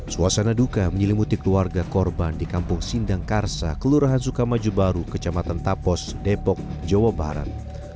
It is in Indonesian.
suasana duka menyelimuti keluarga korban di kampung sindang karsa kelurahan sukamaju baru kecamatan tapos depok jawa barat